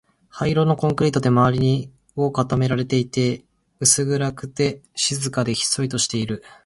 灰色のコンクリートで周りを囲まれていて、薄暗くて、静かで、ひっそりとしている